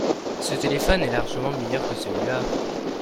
Ce téléphone est largement meilleur que celui-là.